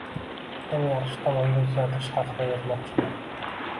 Men yaxshi tomonga o’zgartirish haqida yozmoqchiman.